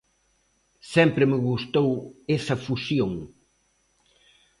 Sempre me gustou esa fusión.